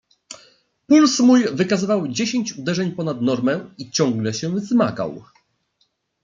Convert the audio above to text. "Puls mój wykazywał dziesięć uderzeń ponad normę i ciągle się wzmagał."